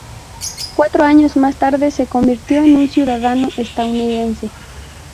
Cuatro años más tarde se convirtió en un ciudadano estadounidense.